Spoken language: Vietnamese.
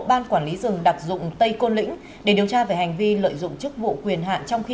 ban quản lý rừng đặc dụng tây côn lĩnh để điều tra về hành vi lợi dụng chức vụ quyền hạn trong khi